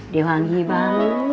dia wangi banget